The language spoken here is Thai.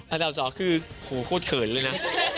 อันดับสองคือโหโคตรเขินเลยนะ